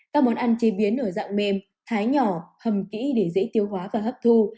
các món ăn chế biến ở dạng mềm thái nhỏ hầm kỹ để dễ tiêu hóa và hấp thu